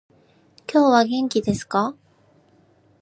今日は元気ですか？